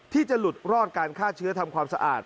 ที่จะหลุดรอดการฆ่าเชื้อทำความสะอาด